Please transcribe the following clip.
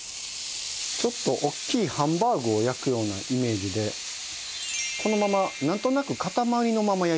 ちょっと大きいハンバーグを焼くようなイメージでこのままなんとなく塊のまま焼いていきます。